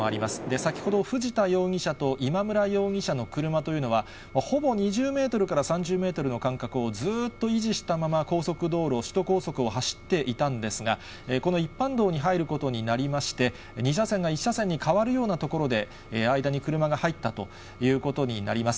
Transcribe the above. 先ほど藤田容疑者と今村容疑者の車というのは、ほぼ２０メートルから３０メートルの間隔をずっと維持したまま、高速道路、首都高速を走っていたんですが、この一般道に入ることになりまして、２車線が１車線に変わるような所で、間に車が入ったということになります。